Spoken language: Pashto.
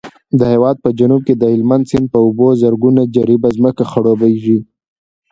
د هېواد په جنوب کې د هلمند سیند په اوبو زرګونه جریبه ځمکه خړوبېږي.